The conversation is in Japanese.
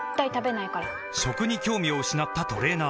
食に興味を失ったトレーナー